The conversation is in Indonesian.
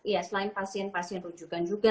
ya selain pasien pasien rujukan juga